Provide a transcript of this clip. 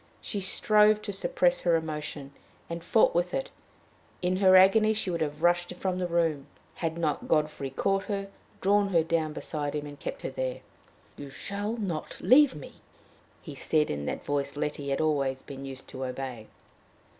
She strove to suppress her emotion; she fought with it; in her agony she would have rushed from the room, had not Godfrey caught her, drawn her down beside him, and kept her there. "You shall not leave me!" he said, in that voice Letty had always been used to obey.